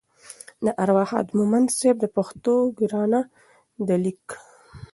د ارواښاد مومند صیب د پښتو ګرانه ده لیک